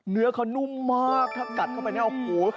เนื้อเขานุ่มมากถ้ากัดเข้าไปเนี่ยโอ้โห